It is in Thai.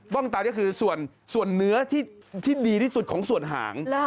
้องตาก็คือส่วนเนื้อที่ดีที่สุดของส่วนหาง